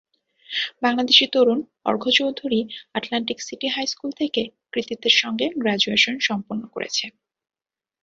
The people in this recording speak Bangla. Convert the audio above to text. বাংলাদেশি তরুণ Arghya Chowdhury Atlantic City high school থেকে কৃতিত্বের সঙ্গে গ্র্যাজুয়েশন সম্পন্ন করেছে।